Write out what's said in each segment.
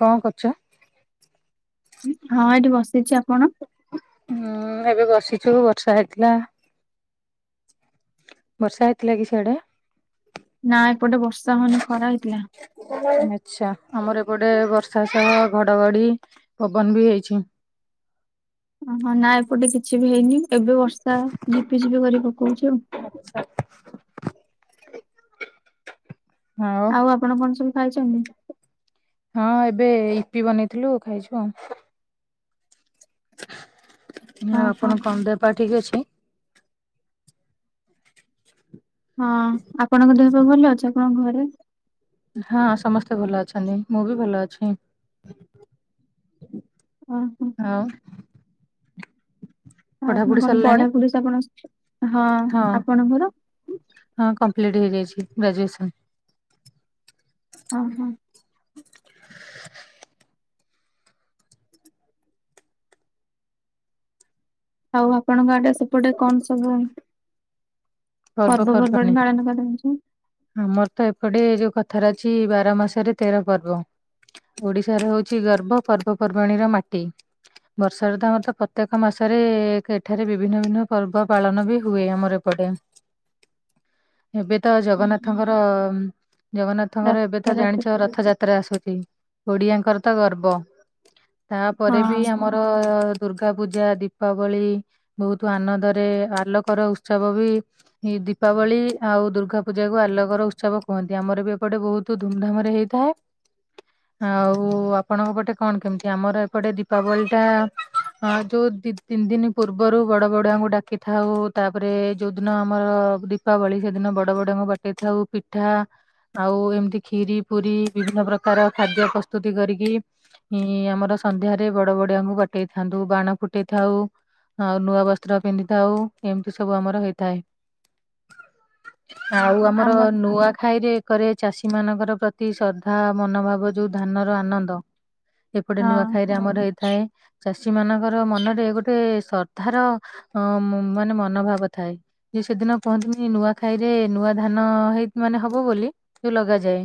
କଣ କରୁଛ? ହଁ ଏଠି ବସିଛି, ଆପଣ? ହୁଁ ଏବେ ବସିଛୁ ବର୍ଷା ହେଇଥିଲା। ବର୍ଷା ହେଇଥିଲା କି ସିଆଡ଼େ? ନାଁ ଏପଟେ ବର୍ଷା ହୋଉନି ଖରା ହେଇଥିଲା। [unintelligible] ଆଚ୍ଛା, ଆମର ଏପଟେ ବର୍ଷା ସହ ଘଡ଼ଘଡ଼ି, ପବନ ବି ହେଇଛି। ଓ ହଁ ନା ଏପଟେ କିଛି ବି ହେଇନି, ଏବେ ବର୍ଷା ଝିପି ଝିପି କରି ପକୋଉଛି ଆଉ। ଆଉ ଆଉ ଆପଣ କଣ ସବୁ ଖାଇଛନ୍ତି? ହଁ ଏବେ ଇପି ବନେଇଥିଲୁ, ଖାଇଛୁ ଆଉ। ଓହୋ ଆପଣ କଣ ଦେହ ପା ଠିକ୍ ଅଛି? ହଁ ଆପଣଙ୍କ ଦେହ ପା ଭଲ ଅଛି? ଆପଣଙ୍କ ଘରେ ହଁ ସମସ୍ତେ ଭଲ ଅଛନ୍ତି, ମୁଁ ବି ଭଲ ଅଛି। ଓ ହୋ ହଉ। ଆପଣ ପଢାପଢି କଣ ସରିଲାଣି? ପଢା ପରୁଷ ଆପଣ ହଁ ଆପଣଙ୍କର? ହଁ କମ୍ପ୍ଲିଟ ହେଇଯାଇଛି ଗ୍ରାଜୁଏସନ। ଓ ହୋ ଆଉ ଆପଣଙ୍କ ଆଡେ ସେପଟେ କଣ ସବୁ। ପର୍ବ ପର୍ବପର୍ବାଣୀ ପର୍ବାଣି ପାଳନ କରନ୍ତି ସବୁ। ଆମର ତ ଏପଟେ ଯୋଉ କଥାରେ ଅଛି ବାର ମାସରେ ତେର ପର୍ବ। ଓଡିଶାରେ ହଉଛି ଗର୍ବ ପର୍ବପର୍ବାଣୀର ମାଟି। ବର୍ଷାାରେ ତ ଆମର ତ ପ୍ରତ୍ୟେକ ମାସରେ ଏଠାରେ ବିଭିନ୍ନ ବିଭିନ୍ନ ପର୍ବ ପାଳନ ବି ହୁଏ ଆମର ଏପଟେ। ଏବେ ତ ଜଗନ୍ନାଥ ରଥଙ୍କର ଜଗନ୍ନାଥଙ୍କର ଏବେ ତ ରଥଯାତ୍ରା ଜାଣିଛ ରଥଯାତ୍ରା ଆସୁଛି। ଓଡିଆଙ୍କର ତ ଗର୍ବ ତାପରେ ବି ହଁ ଆମ ଆମର ଦୁର୍ଗା ପୂଜା ଦୀପାବଳି। ବହୁତ ଆନନ୍ଦରେ ଆଲୋକର ଉତ୍ସବ ବି ଦୀପାବଳି ଆଉ ଦୁର୍ଗା ପୂଜା ଆଲୋକର ଉତ୍ସବ କୁହନ୍ତି ଆମର ବି ଏପଟେ ବହୁତ ଧୁମଧାମ ରେ ହେଇଥାଏ। ଆଉ ଆପଣଙ୍କ ପଟେ କଣ କେମିତି ଆମର ଏପଟେ ଦୀପାବଳି ଟା ହଁ ଯୋଉ ଦି ତିନି ଦିନ ପୂର୍ବରୁ ବଡ ବଡଆଙ୍କୁ ଡାକିଥାଉ ତାପରେ ଯୋଉ ଦିନ ଆମର। ଦୀପାବଳି ସେଦିନ ବଡ ବଡ଼ୁଆଙ୍କୁ ବାଟେଇ ଥାଉ ପିଠା। ଆଉ ଏମିତି ଖିରି ପୁରୀ ବିଭିନ୍ନ ପ୍ରକାର ଖାଦ୍ୟ ପ୍ରସ୍ତୁତି କରିକି। ହଁ ଆମର ସନ୍ଧ୍ୟାରେ ବଡ ବଡିଆଙ୍କୁ ବାଟେଇ ଥାନ୍ତୁ ବାଣ ଫୁଟେଇ ଥାଉ। ଆଉ ନୂଆ ବସ୍ତ୍ର ପିନ୍ଧିଥାଉ ଏମିତି ସବୁ ଆମର ହେଇଥାଏ। ଆଉ। ଓହୋ, ଆମର ନୂଆଖାଇରେ ଏକରେ ଚାଷୀ ମାନଙ୍କର ପ୍ରତି ଶ୍ରଦ୍ଧା ମନୋଭାବ ଯୋଉ ଧାନର ଆନନ୍ଦ। ଏପଟେ ନୂଆ ହଁ ଖାଇରେ ଆମର ହେଇଥାଏ। ଚାଷୀ ମାନଙ୍କର ମନରେ ଗୋଟେ ଶ୍ରଦ୍ଧାର ମାନେ ମନୋଭାବ ଥାଏ। ଯୋଉ ସେଦିନ ପହନ୍ତିିନି ନୂଆ ଖାଇ ରେ ନୂଆ ଧାନ ହେଇ ମାନେ ହବ ବୋଲି ଯଉ ଲଗାଯାଏ।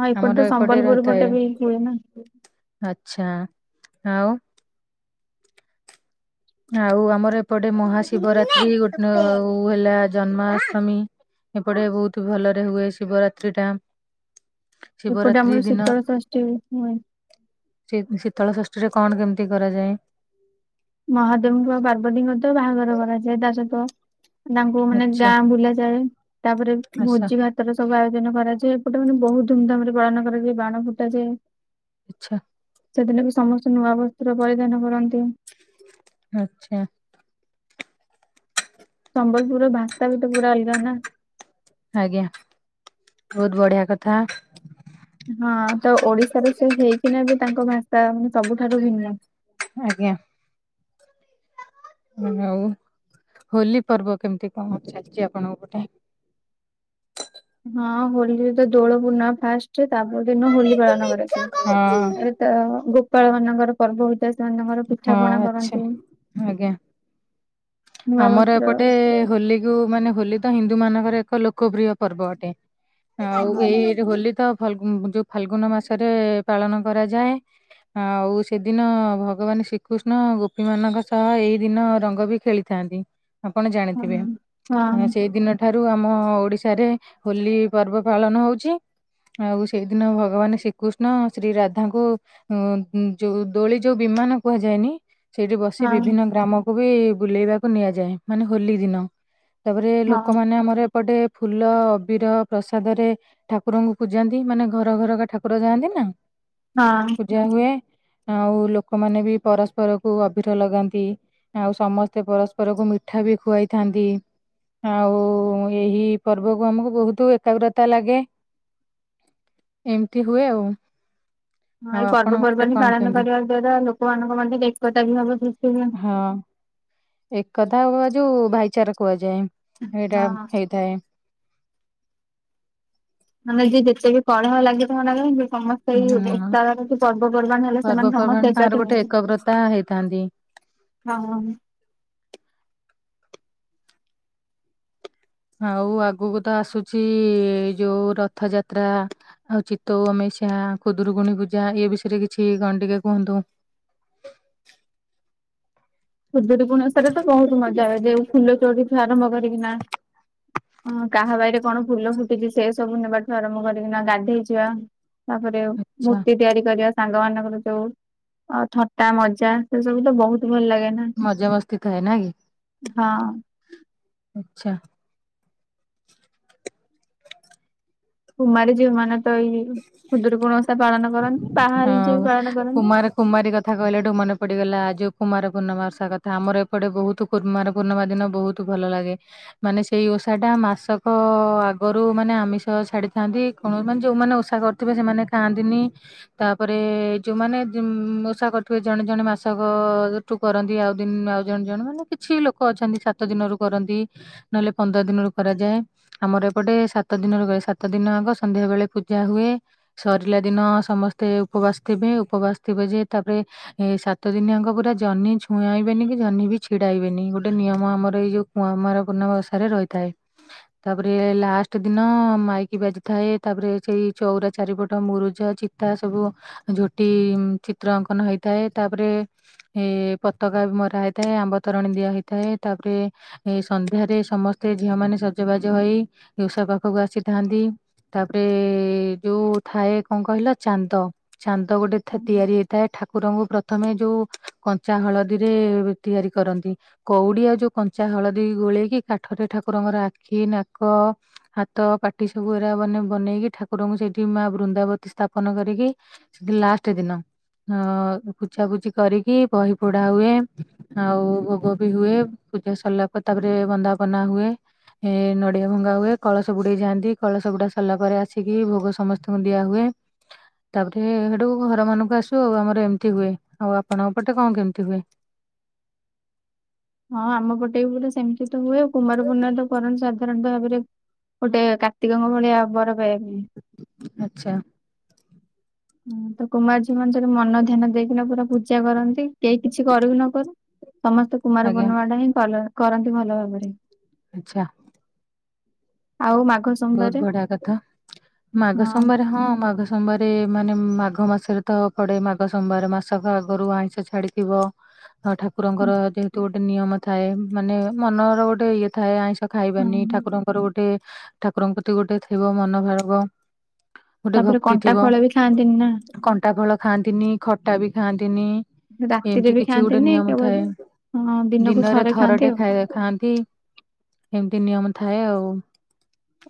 ହଁ ଏପଟେ ତ ସମ୍ବଲପୁର ପଟେ ବି ହୁଏ ନା। ଆଛା ଆଉ। ଆଉ ଆମର ଏପଟେ ହେଲା ମହାଶିବରାତ୍ରୀ ଗୋଟେ ହେଲା ଜନ୍ମାଷ୍ଟମୀ। ଏପଟେ ବହୁତ ଭଲରେ ହୁଏ ଶିବରାତ୍ରି ଟା ଏପଟେ ଶିବରାତ୍ରି ଆମର ଦିନ ଶୀତଳ ଷଷ୍ଠୀ ହୁଏଁ। ଶୀତଳ ଷଷ୍ଠୀ ରେ କଣ କେମିତି କରାଯାଏ। ମହାଦେବଙ୍କ ପାର୍ବତୀଙ୍କ ତ ବାହାଘର କରାଯାଏ ତା ସହିତ। ତାଙ୍କୁ ମାନେ ଆଚ୍ଛା ଗାଁ ବୁଲା ଯାଏ ତାପରେ ଆଚ୍ଛା ଭୋଜି ଭାତ। ଗତ ସୁ ଆୟୋଜନ କରାଯାଏ ଏପଟେ ମାନେ ବହୁତ ଧୁମଧାମ ରେ ପାଳନ କରାଯାଏ ବାଣ ଫୁଟାଯାଏ। ଆଚ୍ଛା। ସେଦିନ ବି ସମସ୍ତେ ନୂଆ ବସ୍ତୁର ପରିଧାନ କରନ୍ତି। ଆଛା। ସମ୍ବଲପୁର ଭାଷା ବି ତ ପୁରା ଅଲଗା ନା। ଆଜ୍ଞା ବହୁତ ବଢିଆ କଥା। ହଁ ତ ଓଡିଶାରୁ ସେ ହେଇକିନା ବି ତାଙ୍କ ଭାଷା ମାନେ ସବୁଠାରୁ ଭିନ୍ନ। ଆଜ୍ଞା। ଆଉ ହୋଲି ପର୍ବ କେମିତି କଣ ଚାଲିଚି ଆପଣଙ୍କ ପଟେ? ହଁ ହୋଲି ତ ଦୋଳ ପୂର୍ଣ୍ଣିମା ଫାଷ୍ଟ ତାପ ଦିନ ହୋଲି ପାଳନ ହଁ କରାଯାଏ। ତ ଗୋପାଳ ମାନଙ୍କର ପର୍ବ ହୋଇଥାଏ ସେମାନାନଙ୍କର ହଁ ପିଠା ପଣା ଆଚ୍ଛା କରନ୍ତି। ଆଜ୍ଞା। ନୂଆ ଆମର ବସ୍ତ୍ର ଏପଟେ ହୋଲିକୁୁ ମାନେ ହୋଲି ତ ହିନ୍ଦୁ ମାନଙ୍କର ଏକ ଲୋକପ୍ରିୟ ପର୍ବ ଅଟେ। ହଁ ଆଉ ଏଇ ହୋଲି ତ ଫାଲଗୁ ଯୋଉ ଫାଲଗୁନ ମାସରେ ପାଳନ କରାଯାଏ। ଆଉ ସେଦିନ ଭଗବାନ ଶ୍ରୀକୃଷ୍ଣ ଗୋପୀମାନଙ୍କ ସହ ଏଇ ଦିନ ରଙ୍ଗବି ଖେଳିଥାନ୍ତି ଆପଣ ହଁ ଜାଣିଥିବେ। ହଁ ସେଇ ଦିନ ଠାରୁ ଆମ ଓଡିଶାରେ ହୋଲି ପର୍ବ ପାଳନ ହଉଚି। ଆଉ ସେଇଦିନ ଭଗବାନ ଶ୍ରୀକୃଷ୍ଣ ଶ୍ରୀ ରାଧାଙ୍କୁ ଅ ଯୋଉ ଦୋଳି ଯୋଉ ବିମାନ କୁହାଯାଏନି ସେଇଠି ବସି ହଁ ବିଭିନ୍ନ ଗ୍ରାମକୁ ବି ବୁଲେଇବାକୁ ନିଆଯାଏ। ମାନେ ହୋଲି ଦିନ। ତାପରେ ହଁ ହଁ। ଲୋକମାନେ ଆମର ଏପଟେ ଫୁଲ ଅବିର ପ୍ରସାଦରେ ଠାକୁରଙ୍କୁ ପୂଜନ୍ତି। ମାନେ ଘର ଘରକା ଠାକୁର ଯାଆନ୍ତି ନା। ହଁ। ପୂଜା ହୁଏ ଆଉ ଲୋକମାନେ ବି ପରସ୍ପରକୁ ଅଭିର ଲଗାନ୍ତି ଆଉ ସମସ୍ତ ତ ପରସ୍ପରକୁ ମିଠା ବି ଖୁଆଇଥାନ୍ତି। ଆଉ ଏହି ପର୍ବକୁ ଆମକୁ ବହୁତ ଏକାଗ୍ରତା ଲାଗେ। ଏମିତି ହୁଏ ଆଉ। ହଁ ଆଉ ଏଇ ଆପଣ ଗୋଟେ ପର୍ବପର୍ବାଣିୀ କଣ ପାଳନ କେମିତି? କରିବା ଦ୍ଵାରା ଲୋକମାନଙ୍କ ମଧ୍ୟ ଏକତା ବି ଭାବ ସୃଷ୍ଟି ହୁଏ। ହଁ। ଏକତା ଆଉ ଯୋଉ ଭାଇଚାରା କୁହାଯାଏ। ହଁ ଏଇଟା ହେଇଥାଏ। ମାନେ ଯିଏ ଯେତେ ବି କଳହ ଲାଗିଥାଉନା କାହିଁକି ସମସ୍ତେ ଏଇ ହୁଁ ଏକତା କି ପର୍ବପର୍ବାଣି ହେଲେ ସେମାନେ ପର୍ବପର୍ବାଣି ସମସ୍ତେ ତାଙ୍କର ଏକାଠି ଗୋଟେ ହୁଅନ୍ତି। ଏକଗ୍ରତା ହେଇଥାନ୍ତି। ହଁ। ଆଉ ଆଗକୁ ତ ଆସୁଚି ଏ ଯୋଉ ରଥଯାତ୍ରା। ଆଉ ଚିତ୍ତ ଅମେଷିଆ ଖୁଦୁରୁକୁୁଣୀ ପୂଜା ଏଇ ବିଷୟରେ କିଛି କଣ ଟିକେ କୁହନ୍ତୁ? ଖୁଦୁୁରୁକୁଣି ଓସାରେ ତ ବହୁତ ମଜା ହ ଯେଉ ଫୁଲ ଚୋରି ଠୁ ଆରମ୍ଭ କରିକିନା ହ କାହା ବାଡ଼ି କଣ ଫୁଲ ଫୁଟିଚି ସେ ସବୁ ନେବାଠୁ ଆରମ୍ଭ କରିକିନା ଗାଧେଇଯିବା ତାପରେ ଆଚ୍ଛା ମୂର୍ତ୍ତି ତିଆରି କରିବା। ସାଙ୍ଗ ମାନଙ୍କର ଯୋଉ ଥଟା ମଜା ସେ ସବୁ ତ ବହୁତ ଭଲ ଲାଗେ। ନା ମଜା ମସ୍ତି ଥାଏ ନା କି? ହଁ। ଆଛା। କୁମାରୀ ଯେଉଁମାନେ ତ ଏଇ ଖୁଦୁରୁକୁଣୀ ଓଷା ପାଳନ କରନ୍ତି ହଁ ପାହାଲ ଜିି ପାଳନ କରନ୍ତି। କୁମାର କୁମାରୀ କଥା କହିଲାଠୁ ମନେ ପଡିଗଲା ଆଜି ଉପମାର ପୂର୍ଣ୍ଣମା ଓଷା କଥା ଆମର ଏପଟେ ବହୁତ କୁମାର ପୂର୍ଣ୍ଣିମା ଦିନ ବହୁତ ଭଲ ଲାଗେ। ମାନେ ସେଇ ଓଷା ଟା ମାସକ ଆଗରୁ ମାନେ ଆମିଷ ଛାଡିଥାନ୍ତି କଣ ମାନେ ଯୋଉମାନେ ଓ ଷା କରିଥିବେ ସେମାନେ ଖାଆନ୍ତିନି। ତାପରେ ଯୋଉମାନେ ଓଷା କରୁଥିବେ ଜଣେ ଜଣେ ମାସକ କରନ୍ତି ଆଉ ଦିନ ଆଉ ଜଣ ଜଣ ମାନେ କିଛି ଲୋକ ଅଛନ୍ତି ସାତ ଦିନରୁ କରନ୍ତି। ନହେଲେ ପନ୍ଦର ଦିନରୁ କରାଯାଏ। ଆମର ଏପଟେ ସାତ ଦିନରୁ କ ସାତ ଦିନ ଆଗ ସନ୍ଧ୍ୟା ବେଳେ ପୁ ଯା ହୁଏ ସରିଲା ଦିନ ସମସ୍ତେ ଉପବାସ ଥିବେ। ଉପବାସ ଥିବେ ଯେ ତାପରେ ଏ ସାତ ଦିନିଆଙ୍କ ପୁରା ଜହ୍ନି ଛୁଆଁଇବେନି କି ଜହ୍ନି ବି ଛିଡାଇବେନି। ଗୋଟେ ନିୟମ ଆମର ଏଇ ଯୋଉ [unintelligible] ପୂର୍ଣ୍ଣିମା ଓଷାରେ ରହିଥାଏ। ତାପରେ ଲାଷ୍ଟେ ଦିନ ମାଇକି ବାଜିଥାଏ ତାପରେ ସେଇ ଚୋଉରା ଚାରିପଟ ମୁରୁଜ ଚିତା ସବୁ ଝୋଟି ଚିତ୍ରଅଙ୍କନ ହୋଇଥାଏ ତାପରେ ଏ ପତକା ବି ମରା ହେଇଥାଏ ଆମ୍ବ ତରାଣୀ ଦିଆ ହେଇଥାଏ ତାପରେ ଏ ସନ୍ଧ୍ୟାରେ ସମସ୍ତେ ଝିଅ ମାନେ ସଜବାଜ ହୋଇ ଓଷା ପାଖକୁ ଆସିଥାଆନ୍ତି। ତାପରେ ଯୋଉ ଥାଏ କଁ କହିଲ ଚାନ୍ଦ, ଚାନ୍ଦ ଗୋଟେ ଥା ତିଆରି ହେ ଥାଏ, ଠାକୁରଙ୍କୁ ପ୍ରଥମେ ଯୋଉ କଞ୍ଚା ହଳଦୀରେ ତିଆରି କରନ୍ତି। କୋଉଡି ଆଉ ଯୋଉ କଞ୍ଚା ହଳଦୀ ଗୋଳେଇକି କାଠରେ ଠାକୁରଙ୍କର ଆଖି, ନାକ ହାତ, ପାଟି ସବୁ ଏରା ବନେ ବନେଇକି ଠାକୁରଙ୍କୁ ସେଇଠି ମା ବୃନ୍ଦାବତୀ ସ୍ଥାପନ କରିକି ସେଠି ଲାଷ୍ଟେ ଦିନ ଅ ପୂଜାପୂଜି କରିକି ବହି ପଢା ହୁଏ। ଆଉ ଭୋଗ ବି ହୁଏ ପୂଜା ସରିଲା ପରେ ତାପରେ ବନ୍ଦାପନା ହୁଏ। ଏ ନଡିଆ ଭଙ୍ଗା ହୁଏ, କଳସ ବୁଡେଇ ଯାଆନ୍ତି, କଳସ ବୁଡା ସିରିଲା ପରେ ଆସି ଇକି ଭୋଗ ସମସ୍ତିଙ୍କୁ ଦିଆ ହୁଏ। ତାପରେ ହେଟୁଟୁ ଘର ମାନଙ୍କୁ ଆସୁ ଆଉ, ଆମର ଏମିତି ହୁଏ, ଆଉ ଆପଣଙ୍କ ପଟେ କଣ କେମିତି ହୁଏ? ହଁ ଆମ ପଟେ ପୁରା ସେମିତି ତ ହୁଏ, କୁମାରପୂର୍ଣ୍ଣିମା ତ କରନ୍ତି ସା ସାଧାରଣତଃ ଭାବରେ ଗୋଟେ କାର୍ତ୍ତିକଙ୍କ ଭଳିଆ ବର ପାଇବି। ଆଚ୍ଛା। ହୁଁ ତ କୁମାରୀ ଝିଅ ମାନେ ସେଟୁ ମନ ଧ୍ୟାନ ଦେଇକିନା ପୁରା ପୂ ପୂଜା କରନ୍ତି, କେହି କିଛି କରୁ କି ନ କରୁ ସମସ୍ତେ ଆଜ୍ଞା କୁମାରପୂର୍ଣ୍ଣିମା ଟା ହିଁ ପାଲ କରନ୍ତି ଭଲ ଭାବରେ। ଆଚ୍ଛା। ଆଉ ମାଘ ବୋହୁତ୍ ସୋମବାରେ ବଢିଆ କଥା, ମାଘ ହଁ ସୋମବାରେ ହଁ ମାଘ ସୋମବାରେ ମାନେ ମାଘ ମାସରେ ତ ପଡେ ମାଘ ସୋମବାର, ମାସକ ଆଗରୁ ଆଇଁଷ ଛାଡିଥିବ ହଁ ହଁ ଠାକୁରଙ୍କର ଯେହେତୁ ଗୋଟେ ନିୟମ ଥାଏ, ମାନେ ମନର ଗୋଟେ ଇଏ ଥାଏ ଆଇଁ ଖାଇବାନି ହଁ ଠାକୁରଙ୍କର ଗୋଟେ ଠାକୁରଙ୍କ ପ୍ରତି ଗୋଟେ ଥିବ ମନଭାବ। ତାପରେ କଣ୍ଟା ଫଳ ବି ଖାଆନ୍ତିନି ନା। କଣ୍ଟା ଫଳ ଖାଆନ୍ତିନି ଖଟା ବି ଖାଆନ୍ତିନି ରାତିରେ ଏମିତି ବି କିଛି ଗୋଟେ ଖାଆନ୍ତିନି ନିୟମ କେବଳ ଥାଏ। ହଁ ଦିନକୁ ଦିନରେ ଥରେ ଖାଆନ୍ତି ଥରଟେ ଆଉ। ଖାଇବା ଖାଆନ୍ତି, ଏମିତି ନିୟମ ଥାଏ ଆଉ।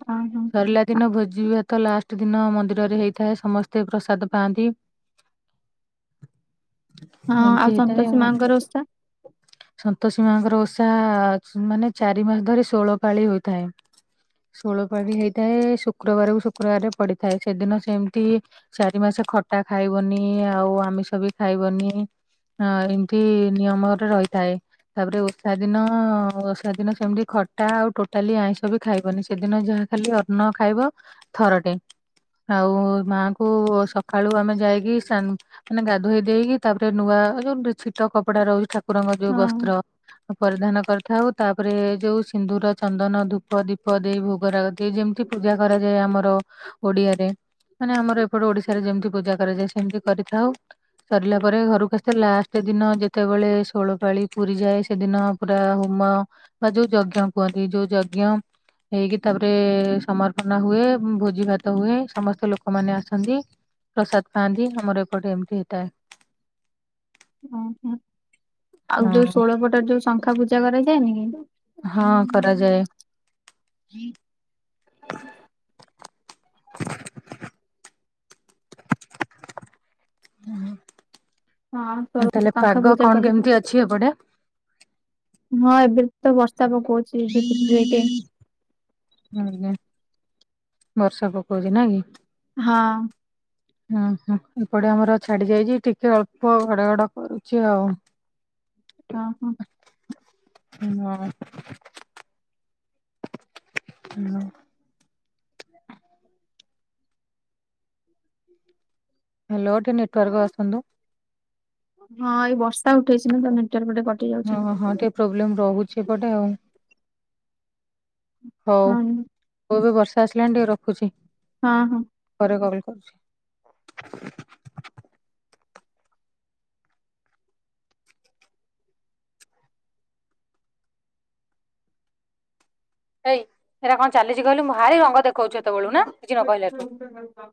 ଅ ହଁ। ସରିଲା ଦିନ ଭୋଜିଭାତ ଲାଷ୍ଟ୍ ଦିନ ମନ୍ଦିରରେ ହେଇଥାଏ ସମସ୍ତେ ପ୍ରସାଦ ପାଆନ୍ତି। ହଁ ଏମିତି ଆଉ ହେଇଥାଏ ସନ୍ତୋଷୀ ମାଙ୍କର ଓଷା। ସନ୍ତୋଷୀ ମାଙ୍କର ଓଷା ମାନେ ଚାରି ମାସ ଧରି ଷୋହଳ ପାଳି ହୋଇଥାଏ। ଷୋଳପଳି ହେଇଥାଏ, ଶୁକ୍ରବାରକୁ ଶୁକ୍ରବାରେ ପଡିଥାଏ ସେଦିନ ସେମ୍ତି ଚାରି ମାସେ ଖଟା ଖାଇବନି ଆଉ ଆମିଷ ବି ଖାଇବନି। ହଁ ଏମିତି ନିୟମରେ ରହିଥାଏ। ତାପରେ ଓଷା ଦିନ ଓଷା ଦିନ ସେମିତି ଖଟା ଆଉ ଟୋଟାଲି ଆଇଁଷ ବି ଖାଇବନି, ସେଦିନ ଯାହା ଖାଲି ଅନ୍ନ ଖାଇବ ଥରଟେ। ଆଉ ମାଙ୍କୁ ସକାଳୁ ଆମେ ଯାଇକି ସାନ୍ ମାନେ ଗାଧୋଇ ଦେଇକି ତାପରେ ନୂଆ ଯୋଉ ଛିଟ କପଡା ରହୁଚି ଠା ଠାକୁରଙ୍କ ଯୋଉ ହଁ ବସ୍ତ୍ର ପରିଧାନ କରିଥାଉ, ତାପରେ ଯୋଉ ସିନ୍ଦୂର ଚନ୍ଦନ, ଧୂ ପ ଦୀପ ଦେଇ ଭୋଗରାଗ ଦେଇ ଯେମିତି ପୂଜା କରାଯାଏ ଆମର ଓଡିଆରେ। ମାନେ ଆମର ଏପଟେ ଓଡିଶାରେ ଯେମିତି ପୂଜା କରାଯାଏ ସେମିତି କରିଥାଉ। ସରିଲା ପରେ ଘରକୁ ଆସିଥାଉ, ଲାଷ୍ଟ୍ ଦିନ ଯେତେବେଳେ ଷୋଳପାଳି ପୁରି ଯାଏ ସେଦିନ ପୁରା ହୁମ ବା ଯୋଉ ଯଜ୍ଞ କୁହନ୍ତି ଯୋଉ ଯଜ୍ଞ ହେଇକି ତାପରେ ସମର୍ପନା ହୁଏ, ଭୋଜିଭାତ ହୁଏ ସମସ୍ତେ ଲୋକମାନେ ଆସନ୍ତି। ପ୍ରସାଦ ପାଆନ୍ତି, ଆମର ଏପଟେ ଏମିତି ହେଇଥାଏ। ଓହୋ! ଆଉ ଯୋଉ ହଁ ଷୋହଳ ପଟ ଯୋଉ ଶଙ୍ଖା ପୂଜା କରାଯାଏ। ହଁ କରାଯାଏ। [unintelligible] ହଁ, ଆଉ ଷୋଳ [inaudible] ତାହେଲେ ଶଙ୍ଖା ପାଗ ପୂଜା କଣ କରେ। କେମିତି ଅଛି ଏପଟେ? ହଁ, ଏବେ ତ ବର୍ଷା ପକଉଚି, ଏବେ ଟିକେ ଏବେ ଉହୁଁ, ବର୍ଷା ପକଉଚି ନା କି? ହଁ। ଉଁ, ହୁଁ ଏପଟେ ଆମର ଛାଡି ଯାଇଛି। ଟିକେ ଅଳ୍ପ ଘଡଘଡ କରୁଛି ଆଉ। ଅହଁ। [unintelligible] [unintelligible] ହେଲୋ ଟିକେ ନେଟୱାର୍କ ଆସନ୍ତୁ। ହଁ, ଏଇ ବର୍ଷା ଉଠେଇଛି ନା, ତ ନେଟୱାର୍କ ଟିକେ କଟି ଯାଉଛି। ପ୍ରୋବ୍ଲେମ୍ ରହୁଛି ଏପଟେ ଆଉ। ହଉ। ହଁ ହଉ ଏବେ ବର୍ଷା ଆସିଲାଣି, ଟିକେ ରଖୁଛି। ହଁ, ହଁ। ପରେ କଲ୍ କରୁଛି। ଏଇ ହେଇରା କଣ ଚାଲିଛି କହିଲୁ? ମୁଁ ଭାରି ରଙ୍ଗ ଦେଖଉଛି ହେତେବେଳୁ ନା, କିଛି ନ କହିଲାଠୁ? ହଁ।